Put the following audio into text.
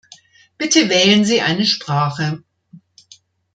Bitte wählen Sie eine Sprache.